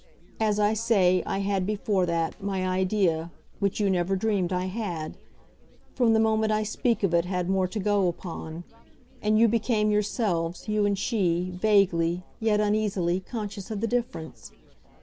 As I say, I had, before that, my idea which you never dreamed I had. From the moment I speak of it had more to go upon, and you became yourselves, you and she, vaguely, yet uneasily, conscious of the difference.